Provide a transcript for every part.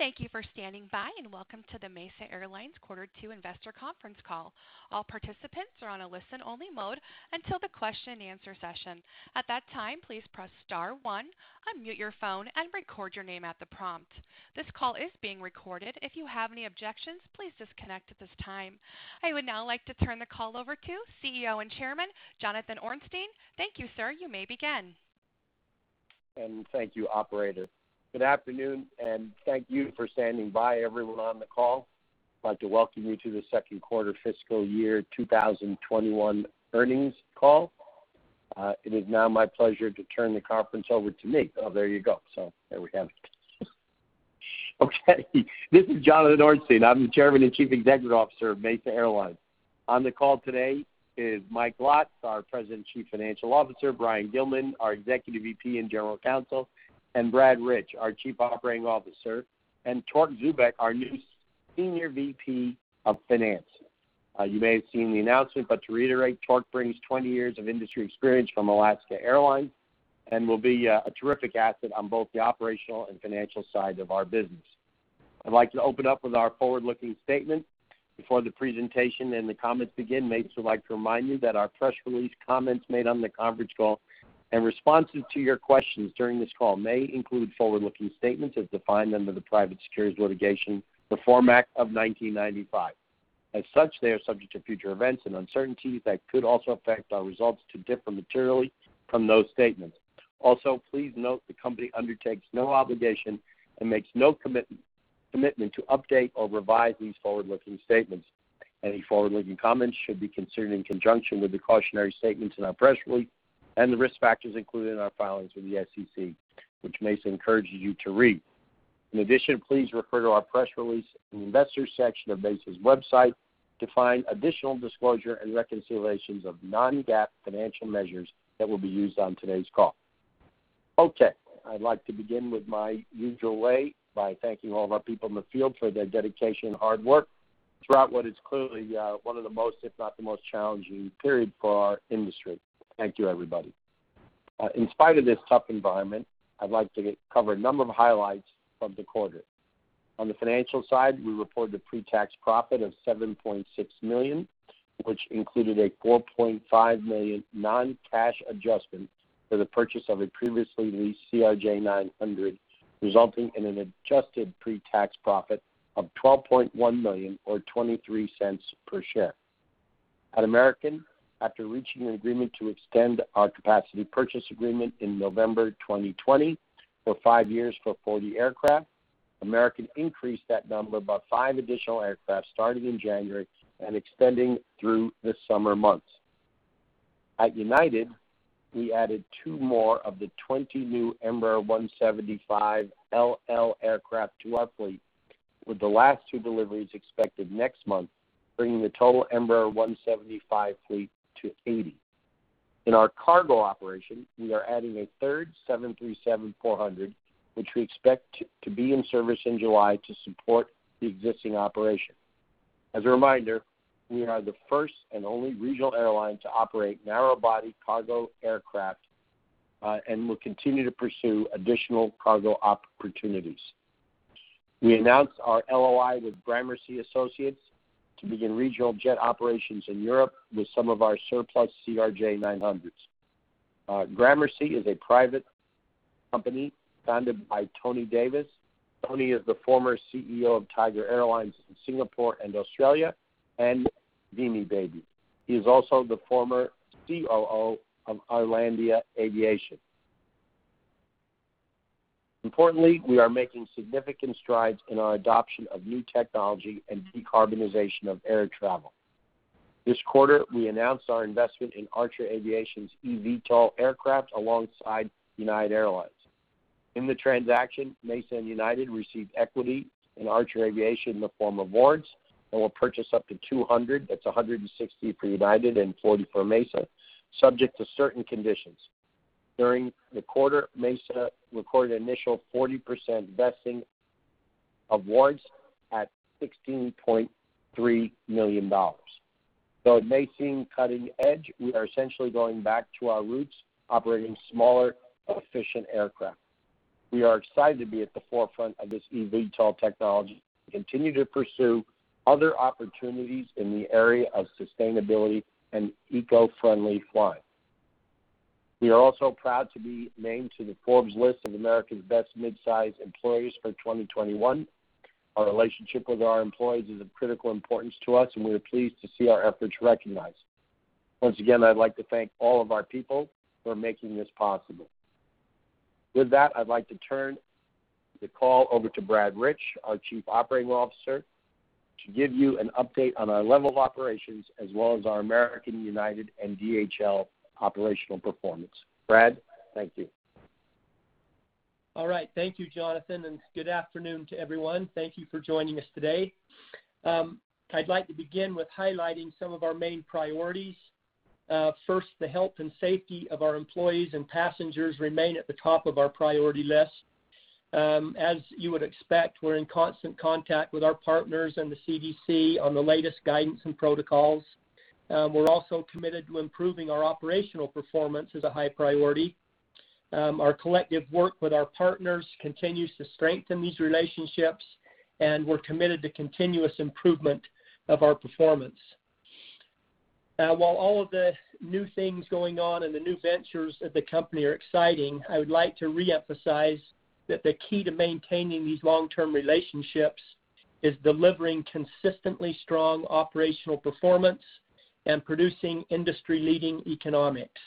I would now like to turn the call over to CEO and Chairman, Jonathan Ornstein. Thank you, sir. You may begin. Thank you, operator. Good afternoon, and thank you for standing by, everyone on the call. I'd like to welcome you to the second quarter fiscal year 2021 earnings call. It is now my pleasure to turn the conference over to me. There you go. There we have it. Okay. This is Jonathan Ornstein. I'm the Chairman and Chief Executive Officer of Mesa Airlines. On the call today is Mike Lotz, our President and Chief Financial Officer, Brian Gillman, our Executive VP and General Counsel, and Brad Rich, our Chief Operating Officer, and Torque Zubeck, our new Senior VP of Finance. You may have seen the announcement, to reiterate, Torque brings 20 years of industry experience from Alaska Airlines and will be a terrific asset on both the operational and financial side of our business. I'd like to open up with our forward-looking statement. Before the presentation and the comments begin, Mesa Air Group would like to remind you that our press release, comments made on the conference call, and responses to your questions during this call may include forward-looking statements as defined under the Private Securities Litigation Reform Act of 1995. As such, they are subject to future events and uncertainties that could also affect our results to differ materially from those statements. Also, please note the company undertakes no obligation and makes no commitment to update or revise these forward-looking statements. Any forward-looking comments should be considered in conjunction with the cautionary statements in our press release and the risk factors included in our filings with the SEC, which Mesa Air Group encourages you to read. In addition, please refer to our press release in the investor section of Mesa's website to find additional disclosure and reconciliations of non-GAAP financial measures that will be used on today's call. Okay, I'd like to begin with my usual way, by thanking all of our people in the field for their dedication and hard work throughout what is clearly one of the most, if not the most challenging period for our industry. Thank you, everybody. In spite of this tough environment, I'd like to cover a number of highlights from the quarter. On the financial side, we reported a pre-tax profit of $7.6 million, which included a $4.5 million non-cash adjustment for the purchase of a previously leased CRJ900, resulting in an adjusted pre-tax profit of $12.1 million or $0.23 per share. At American, after reaching an agreement to extend our capacity purchase agreement in November 2020 for five years for 40 aircraft, American increased that number by five additional aircraft starting in January and extending through the summer months. At United, we added two more of the 20 new Embraer 175LL aircraft to our fleet, with the last two deliveries expected next month, bringing the total Embraer 175 fleet to 80. In our cargo operation, we are adding a third 737-400, which we expect to be in service in July to support the existing operation. As a reminder, we are the first and only regional airline to operate narrow-body cargo aircraft, and we'll continue to pursue additional cargo opportunities. We announced our LOI with Gramercy Associates to begin regional jet operations in Europe with some of our surplus CRJ900s. Gramercy is a private company founded by Tony Davis. Tony is the former CEO of Tiger Airways in Singapore and Australia and bmibaby. He is also the former COO of Irelandia Aviation. Importantly, we are making significant strides in our adoption of new technology and decarbonization of air travel. This quarter, we announced our investment in Archer Aviation's eVTOL aircraft alongside United Airlines. In the transaction, Mesa and United received equity in Archer Aviation in the form of awards and will purchase up to 200, that's 160 for United and 40 for Mesa, subject to certain conditions. During the quarter, Mesa recorded an initial 40% vesting of awards at $16.3 million. Though it may seem cutting edge, we are essentially going back to our roots, operating smaller, efficient aircraft. We are excited to be at the forefront of this eVTOL technology and continue to pursue other opportunities in the area of sustainability and eco-friendly flying. We are also proud to be named to the Forbes list of America's Best Midsize Employers for 2021. Our relationship with our employees is of critical importance to us, and we are pleased to see our efforts recognized. Once again, I'd like to thank all of our people for making this possible. With that, I'd like to turn the call over to Brad Rich, our Chief Operating Officer, to give you an update on our level of operations as well as our American, United, and DHL operational performance. Brad, thank you. All right. Thank you, Jonathan, and good afternoon to everyone. Thank you for joining us today. I would like to begin with highlighting some of our main priorities. First, the health and safety of our employees and passengers remain at the top of our priority list. As you would expect, we are in constant contact with our partners and the CDC on the latest guidance and protocols. We are also committed to improving our operational performance as a high priority. Our collective work with our partners continues to strengthen these relationships, and we are committed to continuous improvement of our performance. While all of the new things going on and the new ventures of the company are exciting, I would like to reemphasize that the key to maintaining these long-term relationships is delivering consistently strong operational performance and producing industry-leading economics.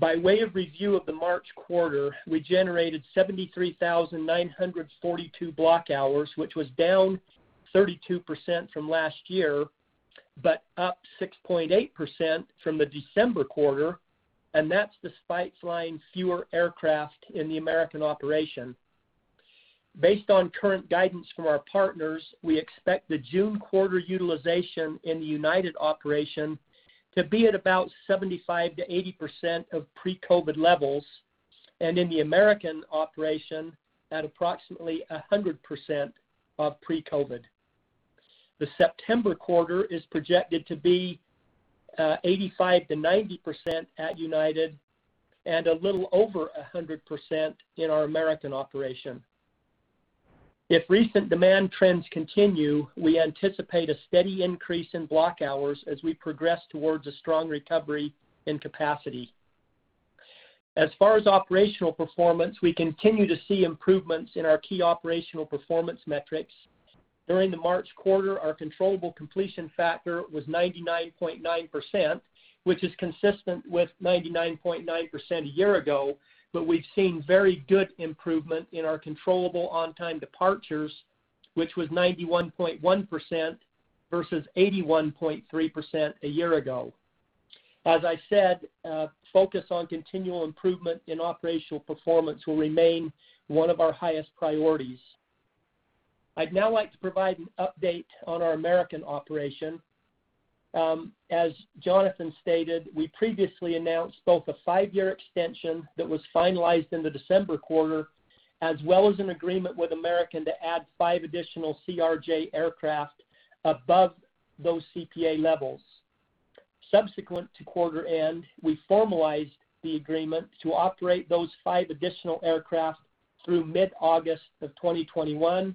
By way of review of the March quarter, we generated 73,942 block hours, which was down 32% from last year, but up six point eight percent from the December quarter, and that's despite flying fewer aircraft in the American operation. Based on current guidance from our partners, we expect the June quarter utilization in the United operation to be at about 75% to 80% of pre-COVID levels, and in the American operation, at approximately 100% of pre-COVID. The September quarter is projected to be 85% to 90% at United and a little over 100% in our American operation. If recent demand trends continue, we anticipate a steady increase in block hours as we progress towards a strong recovery in capacity. As far as operational performance, we continue to see improvements in our key operational performance metrics. During the March quarter, our controllable completion factor was 99.9%, which is consistent with 99.9% a year ago, but we've seen very good improvement in our controllable on-time departures, which was 91.1% versus 81.3% a year ago. As I said, focus on continual improvement in operational performance will remain one of our highest priorities. I'd now like to provide an update on our American Airlines operation. As Jonathan Ornstein stated, we previously announced both a five-year extension that was finalized in the December quarter, as well as an agreement with American Airlines to add five additional CRJ aircraft above those CPA levels. Subsequent to quarter end, we formalized the agreement to operate those five additional aircraft through mid-August of 2021,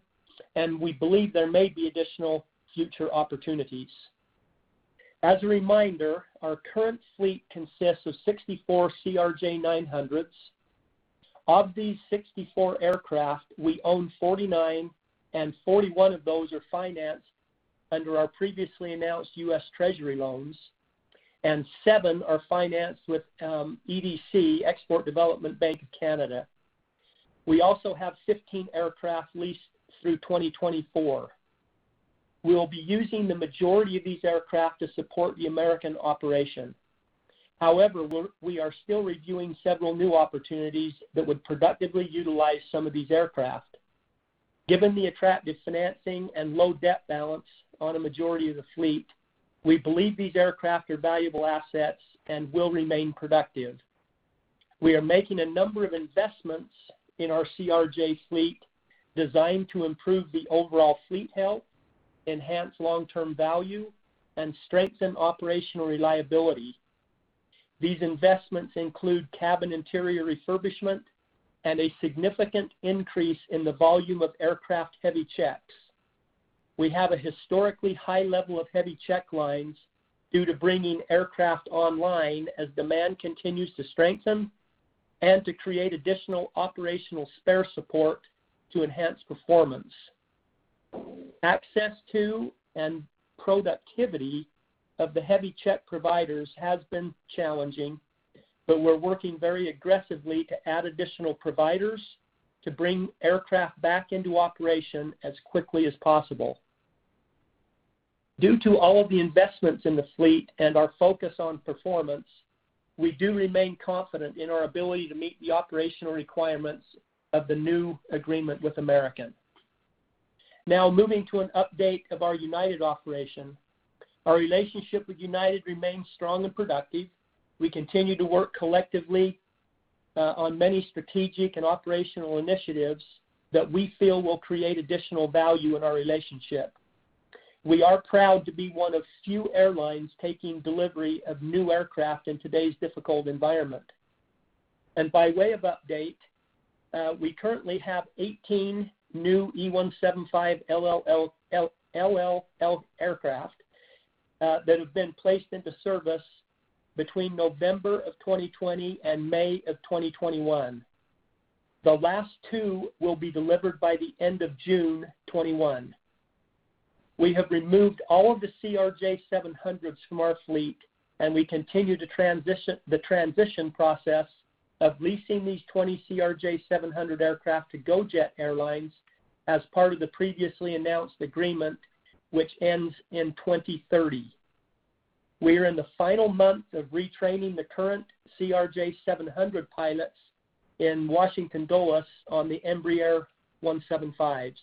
and we believe there may be additional future opportunities. As a reminder, our current fleet consists of 64 CRJ-900s. Of these 64 aircraft, we own 49. Forty-one of those are financed under our previously announced U.S. Treasury loans. Seven are financed with EDC, Export Development Bank of Canada. We also have 15 aircraft leased through 2024. We will be using the majority of these aircraft to support the American operation. However, we are still reviewing several new opportunities that would productively utilize some of these aircraft. Given the attractive financing and low debt balance on a majority of the fleet, we believe these aircraft are valuable assets and will remain productive. We are making a number of investments in our CRJ fleet designed to improve the overall fleet health, enhance long-term value, and strengthen operational reliability. These investments include cabin interior refurbishment and a significant increase in the volume of aircraft heavy checks. We have a historically high level of heavy check lines due to bringing aircraft online as demand continues to strengthen and to create additional operational spare support to enhance performance. Access to and productivity of the heavy check providers has been challenging, but we're working very aggressively to add additional providers to bring aircraft back into operation as quickly as possible. Due to all of the investments in the fleet and our focus on performance, we do remain confident in our ability to meet the operational requirements of the new agreement with American. Moving to an update of our United operation. Our relationship with United remains strong and productive. We continue to work collectively on many strategic and operational initiatives that we feel will create additional value in our relationship. We are proud to be one of few airlines taking delivery of new aircraft in today's difficult environment. By way of update, we currently have 18 new E175LL aircraft that have been placed into service between November of 2020 and May of 2021. The last two will be delivered by the end of June 2021. We have removed all of the CRJ-700s from our fleet, and we continue the transition process of leasing these 20 CRJ-700 aircraft to GoJet Airlines as part of the previously announced agreement, which ends in 2030. We are in the final month of retraining the current CRJ-700 pilots in Washington, Dulles on the Embraer 175s.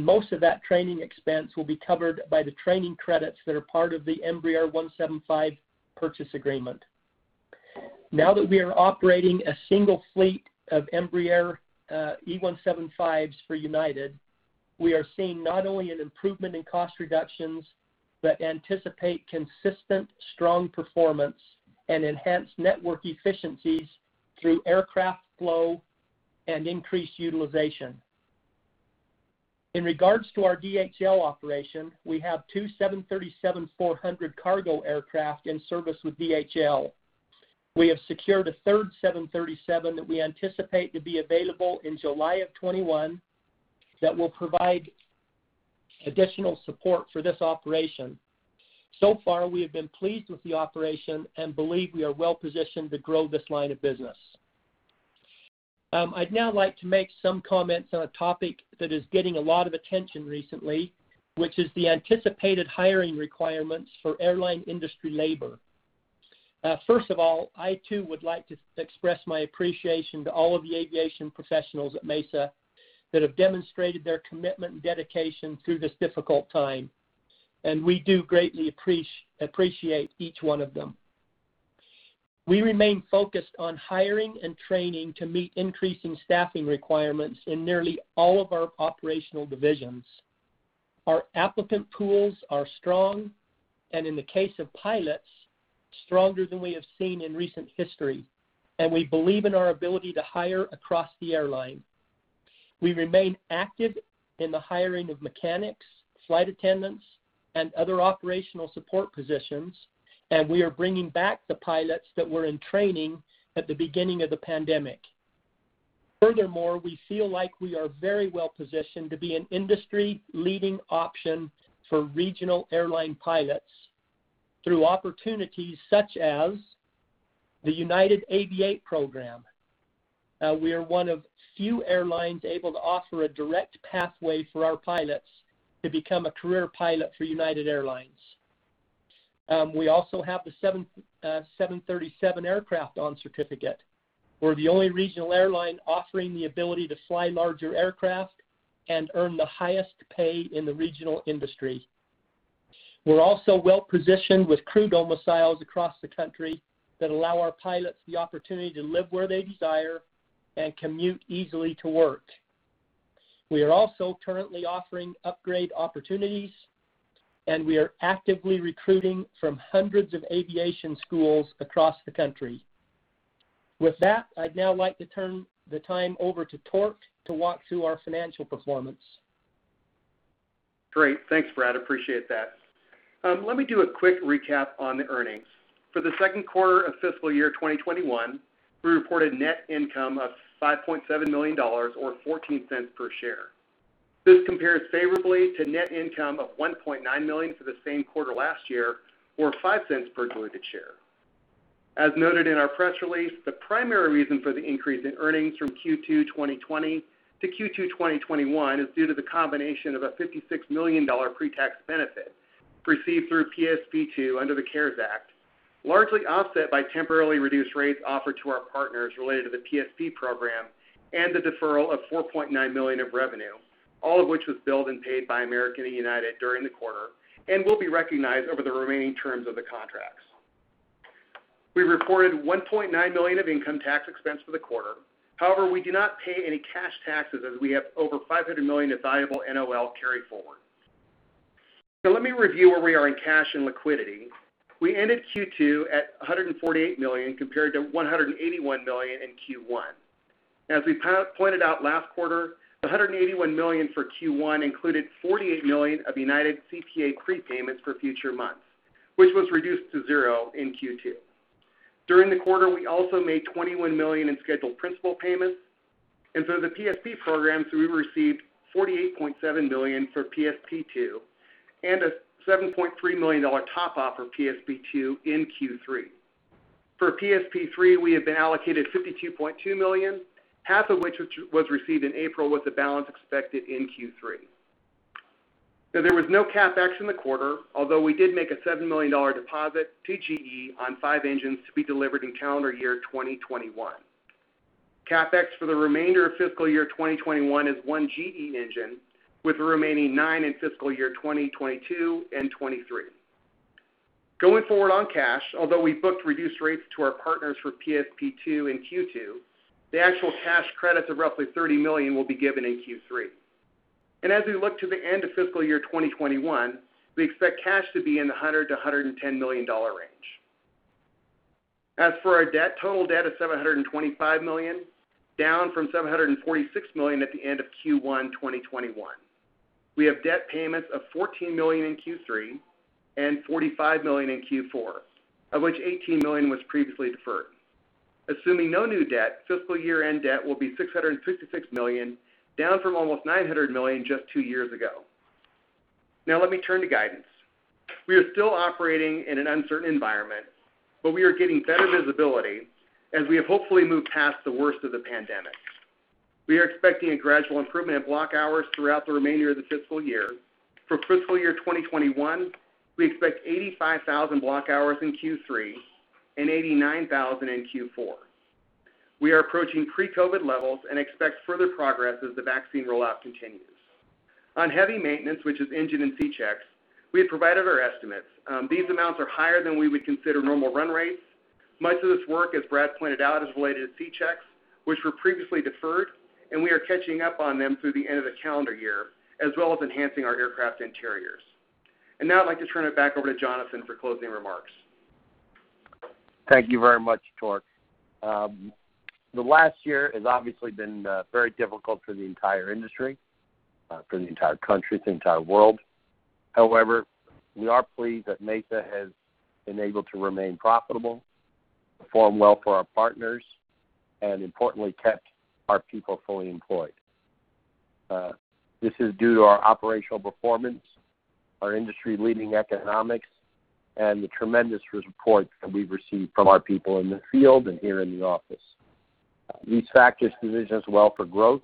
Most of that training expense will be covered by the training credits that are part of the Embraer 175 purchase agreement. Now that we are operating a single fleet of Embraer E175s for United. We are seeing not only an improvement in cost reductions, but anticipate consistent strong performance and enhanced network efficiencies through aircraft flow and increased utilization. In regards to our DHL operation, we have two 737-400 cargo aircraft in service with DHL. We have secured a third 737 that we anticipate to be available in July of 2021 that will provide additional support for this operation. So far, we have been pleased with the operation and believe we are well-positioned to grow this line of business. I'd now like to make some comments on a topic that is getting a lot of attention recently, which is the anticipated hiring requirements for airline industry labor. First of all, I too would like to express my appreciation to all of the aviation professionals at Mesa that have demonstrated their commitment and dedication through this difficult time. We do greatly appreciate each one of them. We remain focused on hiring and training to meet increasing staffing requirements in nearly all of our operational divisions. Our applicant pools are strong and, in the case of pilots, stronger than we have seen in recent history. We believe in our ability to hire across the airline. We remain active in the hiring of mechanics, flight attendants, and other operational support positions. We are bringing back the pilots that were in training at the beginning of the pandemic. Furthermore, we feel like we are very well-positioned to be an industry-leading option for regional airline pilots through opportunities such as the United Aviate program. We are one of few airlines able to offer a direct pathway for our pilots to become a career pilot for United Airlines. We also have the 737 aircraft on certificate. We're the only regional airline offering the ability to fly larger aircraft and earn the highest pay in the regional industry. We're also well-positioned with crew domiciles across the country that allow our pilots the opportunity to live where they desire and commute easily to work. We are also currently offering upgrade opportunities, and we are actively recruiting from hundreds of aviation schools across the country. With that, I'd now like to turn the time over to Torque Zubeck to walk through our financial performance. Great. Thanks, Brad. Appreciate that. Let me do a quick recap on the earnings. For the second quarter of fiscal year 2021, we reported net income of $5.7 million, or $0.14 per share. This compares favorably to net income of $1.9 million for the same quarter last year, or $0.05 per diluted share. As noted in our press release, the primary reason for the increase in earnings from Q2 2020 to Q2 2021 is due to the combination of a $56 million pre-tax benefit received through PSP2 under the CARES Act, largely offset by temporarily reduced rates offered to our partners related to the PSP program and the deferral of $4.9 million of revenue, all of which was billed and paid by American and United during the quarter and will be recognized over the remaining terms of the contracts. We reported $1.9 million of income tax expense for the quarter. We do not pay any cash taxes as we have over $500 million of valuable NOL carry-forward. Let me review where we are in cash and liquidity. We ended Q2 at $148 million, compared to $181 million in Q1. As we pointed out last quarter, the $181 million for Q1 included $48 million of United CTA prepayments for future months, which was reduced to zero in Q2. During the quarter, we also made $21 million in scheduled principal payments. The PSP programs, we received $48.7 million for PSP2 and a $7.3 million top-off for PSP2 in Q3. For PSP3, we have been allocated $52.2 million, half of which was received in April, with the balance expected in Q3. There was no CapEx in the quarter, although we did make a $7 million deposit to GE on five engines to be delivered in calendar year 2021. CapEx for the remainder of fiscal year 2021 is one GE engine, with the remaining nine in fiscal year 2022 and 2023. Going forward on cash, although we booked reduced rates to our partners for PSP2 in Q2, the actual cash credits of roughly $30 million will be given in Q3. As we look to the end of fiscal year 2021, we expect cash to be in the $100 million-$110 million range. As for our debt, total debt is $725 million, down from $746 million at the end of Q1 2021. We have debt payments of $14 million in Q3 and $45 million in Q4, of which $18 million was previously deferred. Assuming no new debt, fiscal year-end debt will be $656 million, down from almost $900 million just two years ago. Now, let me turn to guidance. We are still operating in an uncertain environment, but we are getting better visibility as we have hopefully moved past the worst of the pandemic. We are expecting a gradual improvement in block hours throughout the remainder of the fiscal year. For fiscal year 2021, we expect 85,000 block hours in Q3 and 89,000 in Q4. We are approaching pre-COVID levels and expect further progress as the vaccine rollout continues. On heavy maintenance, which is engine and C-checks, we have provided our estimates. These amounts are higher than we would consider normal run rates Much of this work, as Brad pointed out, is related to C-checks, which were previously deferred, and we are catching up on them through the end of the calendar year, as well as enhancing our aircraft interiors. Now I'd like to turn it back over to Jonathan for closing remarks. Thank you very much, Torque. The last year has obviously been very difficult for the entire industry, for the entire country, the entire world. However, we are pleased that Mesa has been able to remain profitable, perform well for our partners, and importantly, kept our people fully employed. This is due to our operational performance, our industry-leading economics, and the tremendous support that we've received from our people in the field and here in the office. These factors position us well for growth,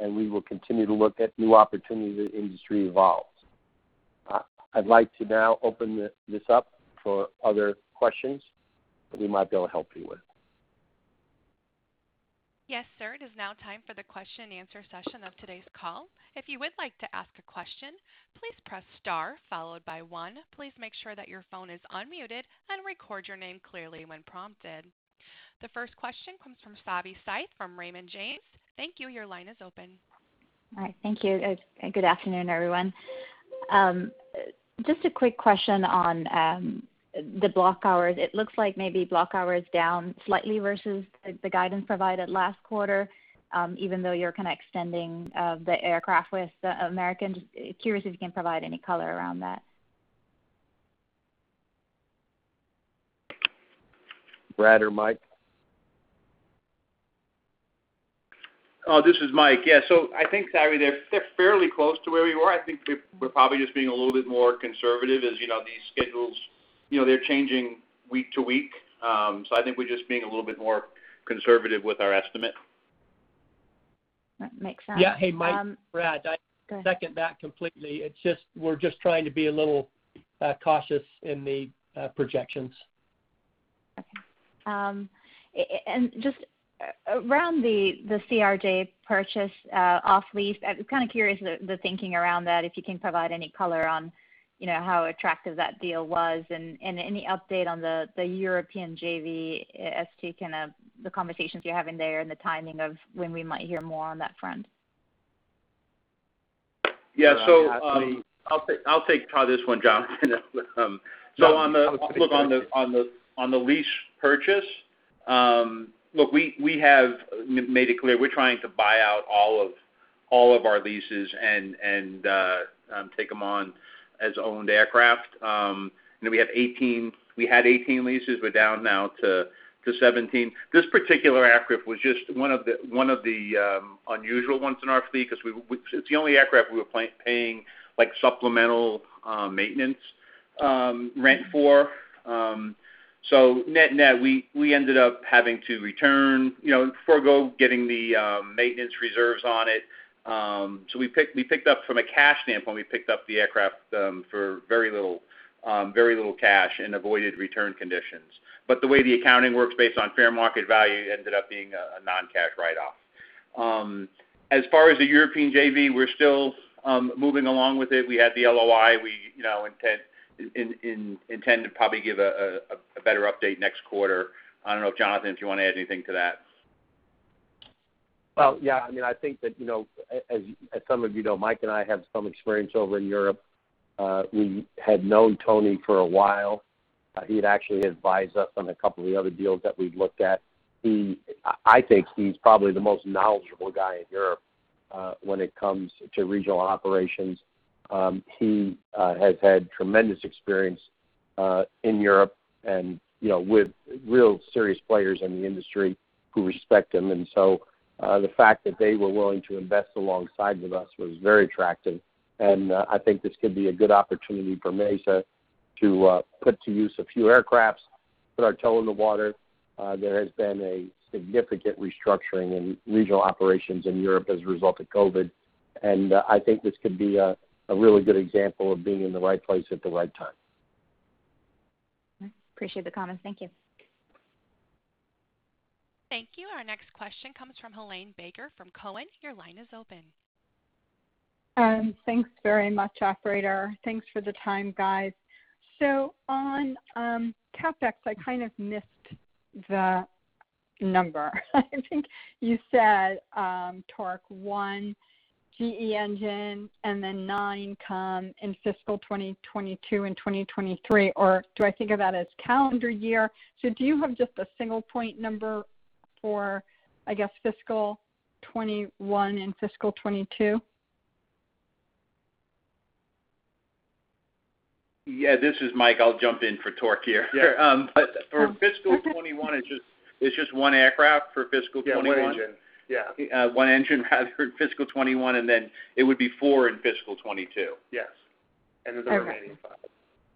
and we will continue to look at new opportunities as industry evolves. I'd like to now open this up for other questions that we might be able to help you with. Yes, sir. It is now time for the question and answer session of today's call. If you would like to ask a question, please press star followed by one. Please make sure that your phone is unmuted, and record your name clearly when prompted. The first question comes from Savanthi Syth from Raymond James. Thank you. Your line is open. All right. Thank you. Good afternoon, everyone. Just a quick question on the block hours. It looks like maybe block hours is down slightly versus the guidance provided last quarter, even though you're kind of extending the aircraft with American. Just curious if you can provide any color around that. Brad or Mike? This is Mike. Yeah. I think, Savi, they're fairly close to where we were. I think we're probably just being a little bit more conservative as these schedules, they're changing week to week. I think we're just being a little bit more conservative with our estimate. That makes sense. Yeah. Hey, Mike, Brad. Go ahead. I second that completely. We're just trying to be a little cautious in the projections. Okay. Just around the CRJ purchase off-lease, I was kind of curious the thinking around that, if you can provide any color on how attractive that deal was and any update on the European JV as to kind of the conversations you're having there and the timing of when we might hear more on that front. Yeah. You want to take this one, Mike? I'll take this one, Jonathan. On the lease purchase, look, we have made it clear we're trying to buy out all of our leases and take them on as owned aircraft. We had 18 leases. We're down now to 17. This particular aircraft was just one of the unusual ones in our fleet, because it's the only aircraft we were paying supplemental maintenance rent for. Net, we ended up having to return, forego getting the maintenance reserves on it. From a cash standpoint, we picked up the aircraft for very little cash and avoided return conditions. The way the accounting works based on fair market value, it ended up being a non-cash write-off. As far as the European JV, we're still moving along with it. We had the LOI. We intend to probably give a better update next quarter. I don't know, Jonathan, if you want to add anything to that? Yeah. I think that, as some of you know, Mike and I have some experience over in Europe. We had known Tony for a while. He had actually advised us on a couple of the other deals that we'd looked at. I think he's probably the most knowledgeable guy in Europe when it comes to regional operations. He has had tremendous experience in Europe and with real serious players in the industry who respect him. The fact that they were willing to invest alongside with us was very attractive, and I think this could be a good opportunity for Mesa to put to use a few aircraft, put our toe in the water. There has been a significant restructuring in regional operations in Europe as a result of COVID, and I think this could be a really good example of being in the right place at the right time. Appreciate the comments. Thank you. Thank you. Our next question comes from Helane Becker from Cowen. Your line is open. Thanks very much, operator. Thanks for the time, guys. On CapEx, I kind of missed the number. I think you said, Torque, one GE engine and then nine come in fiscal 2022 and 2023, or do I think of that as calendar year? Do you have just a single point number for, I guess, fiscal 2021 and fiscal 2022? Yeah. This is Mike. I'll jump in for Torque here. Yeah. For fiscal 2021, it's just one aircraft for fiscal 2021. Yeah, one engine. Yeah. One engine rather for fiscal 2021, and then it would be four in fiscal 2022. Yes. Then the remaining five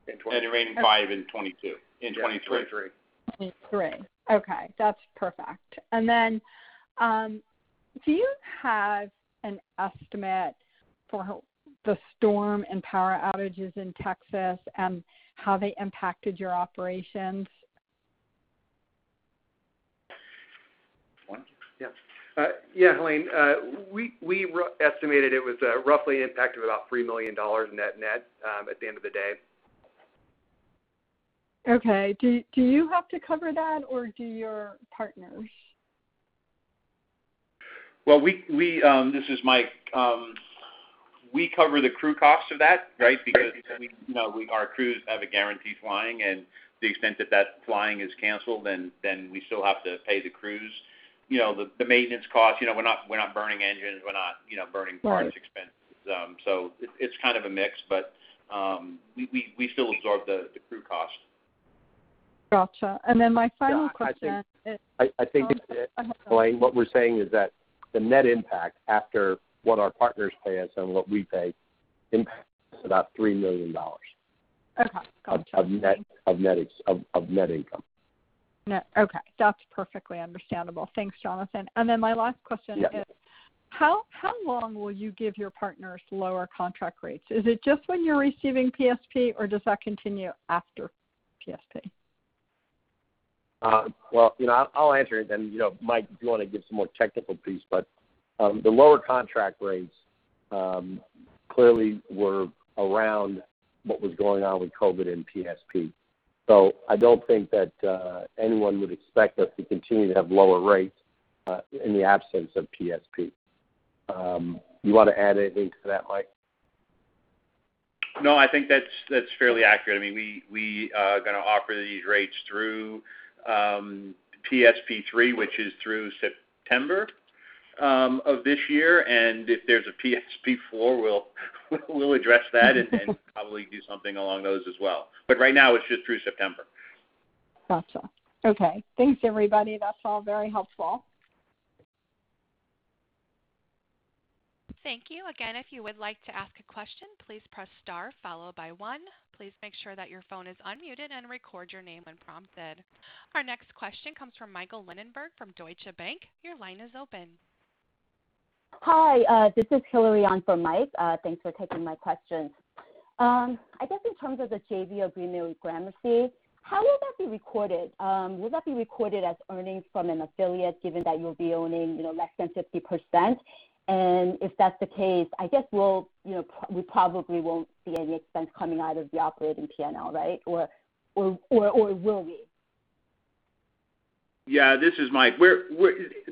in 2023. The remaining five in 2023. In 2023. Okay. That's perfect. Do you have an estimate for the storm and power outages in Texas and how they impacted your operations? One? Yeah. Yeah, Helane. We estimated it was roughly an impact of about $3 million net net at the end of the day. Okay. Do you have to cover that or do your partners? Well, this is Mike. We cover the crew cost of that, right? Our crews have a guaranteed flying, and to the extent that that flying is canceled, then we still have to pay the crews. The maintenance cost, we're not burning engines. parts expenses. It's kind of a mix, but we still absorb the crew cost. Got you. Yeah, I think- Oh, I'm sorry. Helane, what we're saying is that the net impact after what our partners pay us and what we pay impacts about $3 million. Okay. Of net income. Net. Okay. That's perfectly understandable. Thanks, Jonathan. My last question. is how long will you give your partners lower contract rates? Is it just when you're receiving PSP or does that continue after PSP? I'll answer it, then Mike, if you want to give some more technical piece, but the lower contract rates clearly were around what was going on with COVID and PSP. I don't think that anyone would expect us to continue to have lower rates in the absence of PSP. You want to add anything to that, Mike? No, I think that's fairly accurate. We are going to offer these rates through PSP 3, which is through September of this year, and if there's a PSP 4, we'll address that probably do something along those as well. Right now, it's just through September. Got you. Okay. Thanks, everybody. That's all very helpful. Our next question comes from Michael Linenberg from Deutsche Bank. Your line is open. Hi. This is Hillary on for Mike. Thanks for taking my questions. I guess in terms of the JV agreement with Gramercy, how will that be recorded? Will that be recorded as earnings from an affiliate, given that you'll be owning less than 50%? If that's the case, I guess we probably won't see any expense coming out of the operating P&L, right? Will we? Yeah. This is Mike.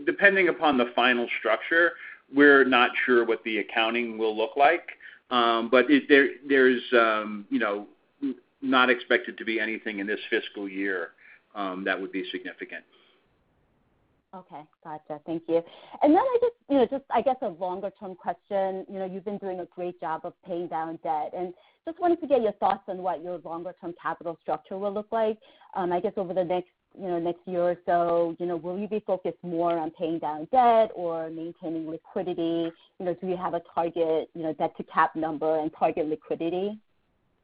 Depending upon the final structure, we're not sure what the accounting will look like. There is not expected to be anything in this fiscal year that would be significant. Okay. Gotcha. Thank you. I guess a longer-term question. You've been doing a great job of paying down debt, wanted to get your thoughts on what your longer-term capital structure will look like. I guess over the next year or so, will you be focused more on paying down debt or maintaining liquidity? Do you have a target debt-to-cap number and target liquidity,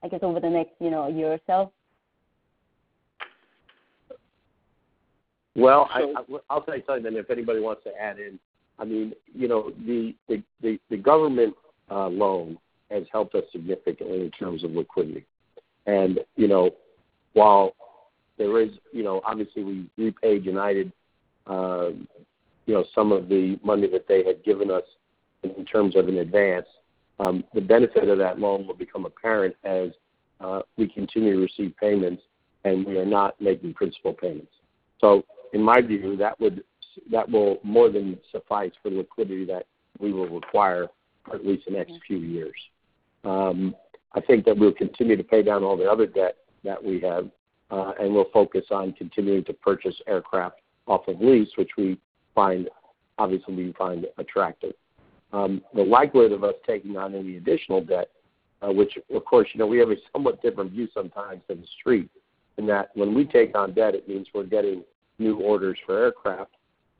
I guess over the next year or so? Well, I'll start telling them if anybody wants to add in. The government loan has helped us significantly in terms of liquidity. While there is, obviously we repaid United some of the money that they had given us in terms of an advance. The benefit of that loan will become apparent as we continue to receive payments and we are not making principal payments. In my view, that will more than suffice for the liquidity that we will require at least the next few years. I think that we'll continue to pay down all the other debt that we have, and we'll focus on continuing to purchase aircraft off of lease, which obviously we find attractive. The likelihood of us taking on any additional debt, which of course, we have a somewhat different view sometimes than the Street, in that when we take on debt, it means we're getting new orders for aircraft,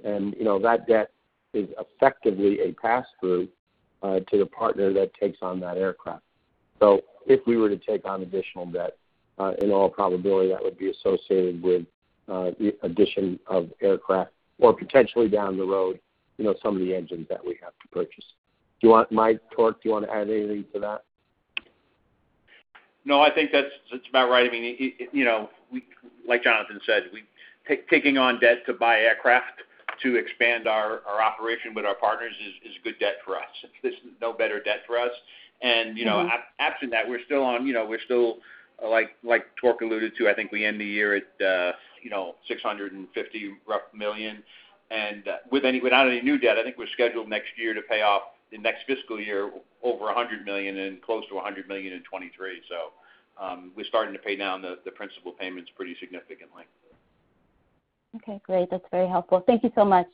and that debt is effectively a pass-through to the partner that takes on that aircraft. If we were to take on additional debt, in all probability that would be associated with the addition of aircraft or potentially down the road, some of the engines that we have to purchase. Mike, Torq, do you want to add anything to that? No, I think that's about right. Like Jonathan said, taking on debt to buy aircraft to expand our operation with our partners is a good debt for us. There's no better debt for us. Absent that, we're still, like Torque alluded to, I think we end the year at $650 rough million. Without any new debt, I think we're scheduled next year to pay off the next fiscal year over $100 million and close to $100 million in 2023. We're starting to pay down the principal payments pretty significantly. Okay, great. That's very helpful. Thank you so much.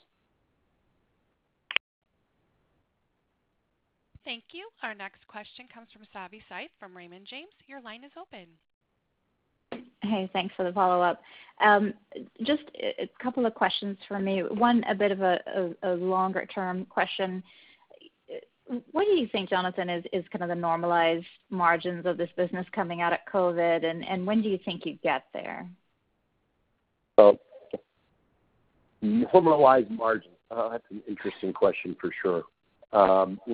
Thank you. Our next question comes from Savanthi Syth from Raymond James. Your line is open. Hey, thanks for the follow-up. Just a couple of questions from me. One, a bit of a longer-term question. What do you think, Jonathan, is kind of the normalized margins of this business coming out of COVID, and when do you think you'd get there? Normalized margins. That's an interesting question for sure.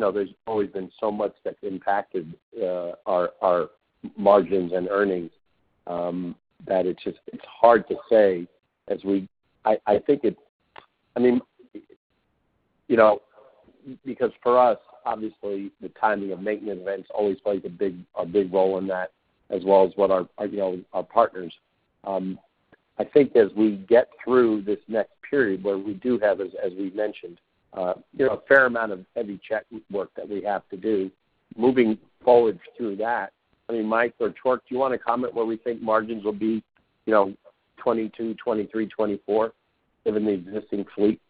There's always been so much that's impacted our margins and earnings. That it's just hard to say. Because for us, obviously, the timing of maintenance events always plays a big role in that, as well as what our partners. I think as we get through this next period where we do have, as we've mentioned, a fair amount of heavy check work that we have to do, moving forward through that. Mike or Torq, do you want to comment where we think margins will be 2022, 2023, 2024, given the existing fleet?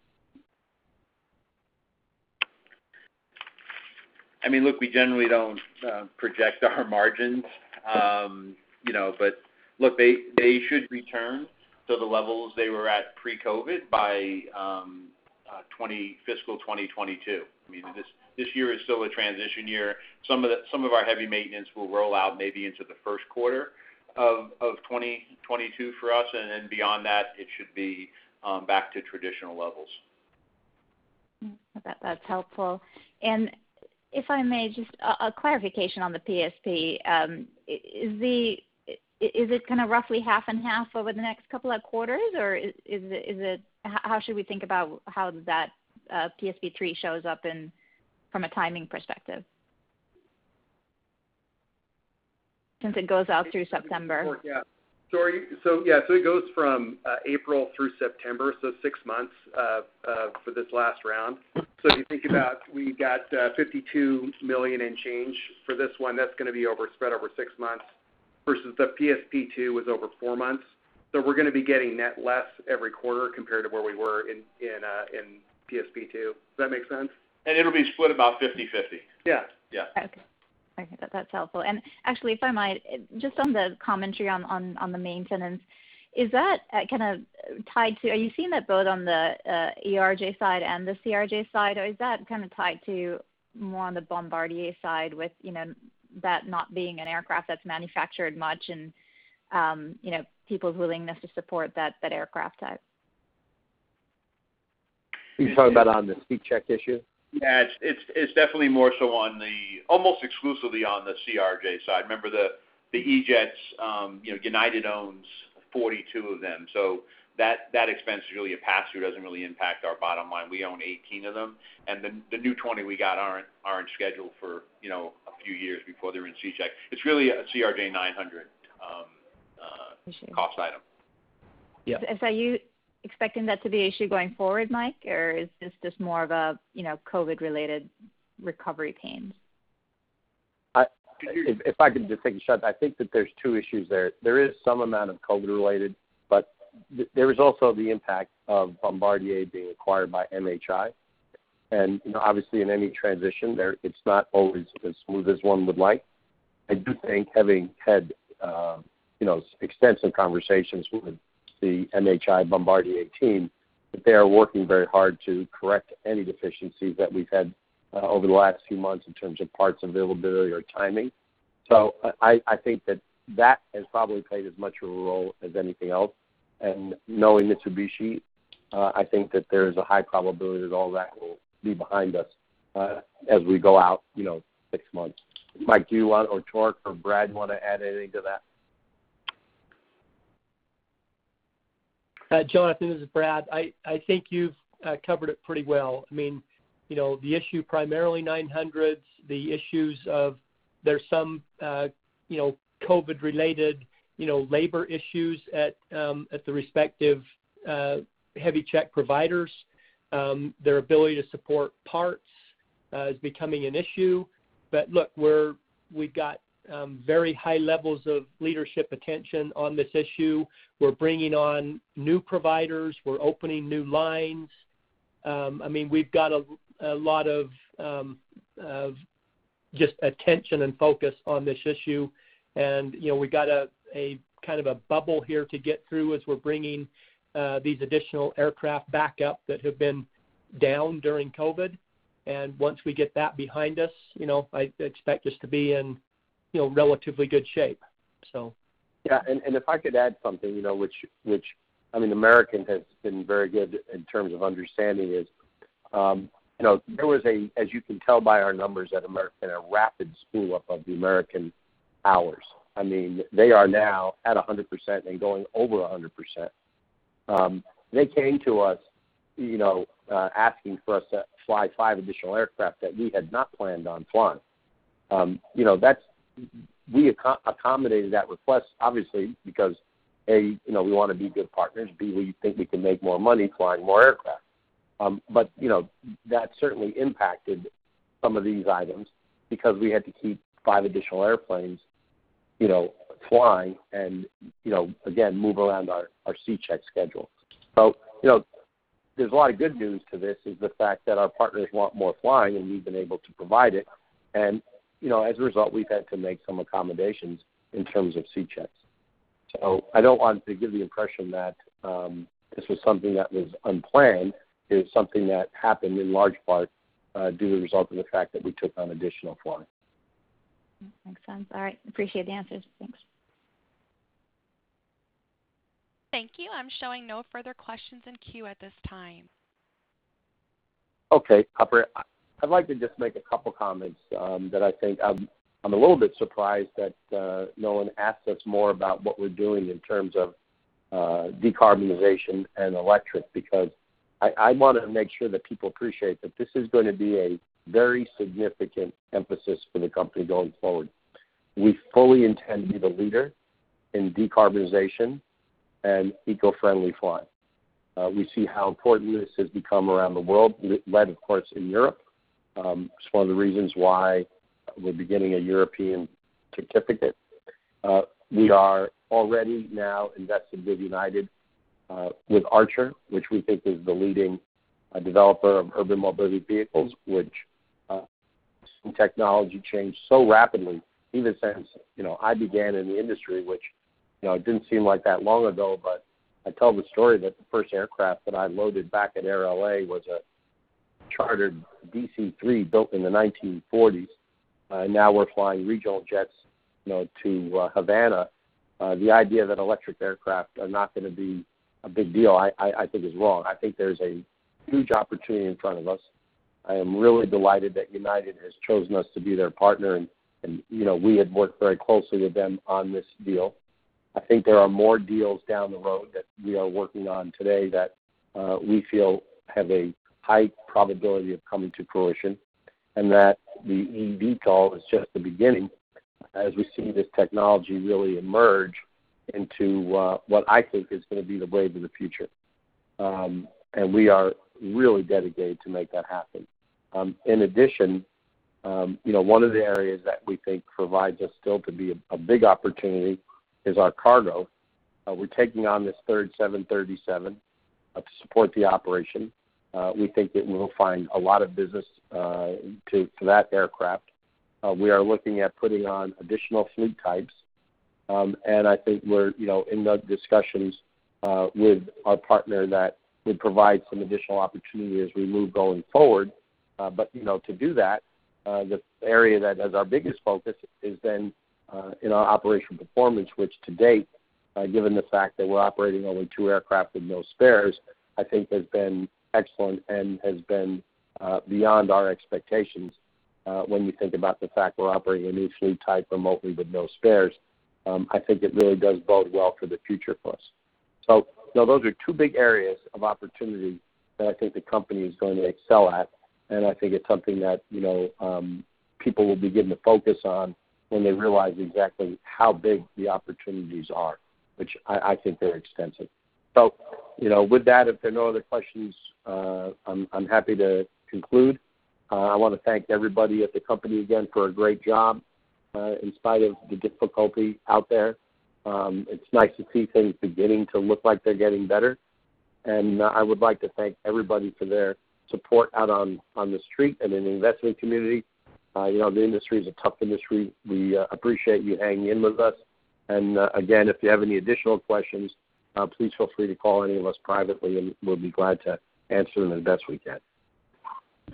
Look, we generally don't project our margins. They should return to the levels they were at pre-COVID by fiscal 2022. This year is still a transition year. Some of our heavy maintenance will roll out maybe into the first quarter of 2022 for us, and then beyond that, it should be back to traditional levels. That's helpful. If I may, just a clarification on the PSP. Is it kind of roughly half and half over the next couple of quarters? How should we think about how that PSP3 shows up from a timing perspective? Since it goes out through September. Torque. It goes from April through September, six months, for this last round. If you think about it, we got $52 million in change for this one. That's going to be spread over six months, versus the PSP2 was over four months. We're going to be getting that less every quarter compared to where we were in PSP2. Does that make sense? It'll be split about 50/50. Yeah. Yeah. Okay. That's helpful. Actually, if I might, just on the commentary on the maintenance. Are you seeing that both on the ERJ side and the CRJ side, or is that kind of tied to more on the Bombardier side with that not being an aircraft that's manufactured much and people's willingness to support that aircraft type? Are you talking about on the C-check issue? Yeah. It's definitely almost exclusively on the CRJ side. Remember, the E-Jets, United owns 42 of them, so that expense is really a pass-through. Doesn't really impact our bottom line. We own 18 of them, and the new 20 we got aren't scheduled for a few years before they're in C-check. It's really a CRJ900 cost item. Yeah. Are you expecting that to be an issue going forward, Mike, or is this just more of a COVID-related recovery pains? If I could just take a shot. I think that there's two issues there. There is some amount of COVID-related, there is also the impact of Bombardier being acquired by MHI. Obviously, in any transition, it's not always as smooth as one would like. I do think, having had extensive conversations with the MHI Bombardier team, that they are working very hard to correct any deficiencies that we've had over the last few months in terms of parts availability or timing. I think that that has probably played as much of a role as anything else. Knowing Mitsubishi, I think that there's a high probability that all that will be behind us as we go out six months. Mike, Torq, or Brad, do you want to add anything to that? Jonathan, this is Brad. I think you've covered it pretty well. The issue, primarily 900s. The issues of, there's some COVID-related labor issues at the respective heavy check providers. Their ability to support parts is becoming an issue. Look, we've got very high levels of leadership attention on this issue. We're bringing on new providers. We're opening new lines. We've got a lot of just attention and focus on this issue. We've got a kind of a bubble here to get through as we're bringing these additional aircraft back up that have been down during COVID. Once we get that behind us, I expect us to be in relatively good shape. Yeah. If I could add something, which American has been very good in terms of understanding is, there was a, as you can tell by our numbers at American, a rapid spool-up of the American hours. They are now at 100% and going over 100%. They came to us, asking for us to fly five additional aircraft that we had not planned on flying. We accommodated that request, obviously, because, A, we want to be good partners. B, we think we can make more money flying more aircraft. That certainly impacted some of these items because we had to keep five additional airplanes flying and, again, move around our C-check schedule. There's a lot of good news to this, is the fact that our partners want more flying, and we've been able to provide it. As a result, we've had to make some accommodations in terms of C-checks. I don't want to give the impression that this was something that was unplanned. It is something that happened, in large part, due as a result of the fact that we took on additional flying. Makes sense. All right. Appreciate the answers. Thanks. Thank you. I'm showing no further questions in queue at this time. Okay. I'd like to just make a couple comments that I think I'm a little bit surprised that no one asked us more about what we're doing in terms of decarbonization and electric, because I want to make sure that people appreciate that this is going to be a very significant emphasis for the company going forward. We fully intend to be the leader in decarbonization and eco-friendly flying. We see how important this has become around the world, led of course in Europe. It's one of the reasons why we're beginning a European certificate. We are already now invested with Archer, which we think is the leading developer of urban mobility vehicles, which technology changed so rapidly even since I began in the industry, which didn't seem like that long ago. I tell the story that the first aircraft that I loaded back at Air L.A. was a chartered DC-3 built in the 1940s. Now we're flying regional jets to Havana. The idea that electric aircraft are not going to be a big deal, I think is wrong. I think there's a huge opportunity in front of us. I am really delighted that United has chosen us to be their partner. We had worked very closely with them on this deal. I think there are more deals down the road that we are working on today that we feel have a high probability of coming to fruition, that the eVTOL deal is just the beginning as we see this technology really emerge into what I think is going to be the wave of the future. We are really dedicated to make that happen. In addition, one of the areas that we think provides us still to be a big opportunity is our cargo. We're taking on this third 737 to support the operation. We think that we'll find a lot of business for that aircraft. We are looking at putting on additional fleet types. I think we're in the discussions with our partner that would provide some additional opportunity as we move going forward. To do that, the area that is our biggest focus is then in our operational performance, which to date, given the fact that we're operating only two aircraft and no spares, I think has been excellent and has been beyond our expectations. When you think about the fact we're operating a new fleet type remotely with no spares, I think it really does bode well for the future for us. Those are two big areas of opportunity that I think the company is going to excel at, and I think it's something that people will begin to focus on when they realize exactly how big the opportunities are, which I think they're extensive. With that, if there are no other questions, I'm happy to conclude. I want to thank everybody at the company again for a great job. In spite of the difficulty out there, it's nice to see things beginning to look like they're getting better. I would like to thank everybody for their support out on the street and in the investment community. The industry is a tough industry. We appreciate you hanging in with us. Again, if you have any additional questions, please feel free to call any of us privately and we'll be glad to answer them as best we can.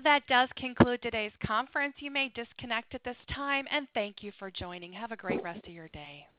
That does conclude today's conference. You may disconnect at this time, and thank you for joining. Have a great rest of your day. Thank you.